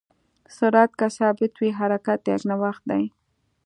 سرعت که ثابت وي، حرکت یکنواخت دی.